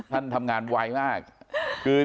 ท่านทำงานไวมาก